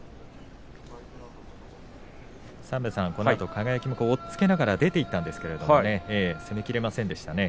輝も押っつけながら出ていったんですが攻めきれませんでしたね。